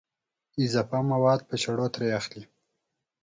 اضافه مواد په چړو ترې اخلي.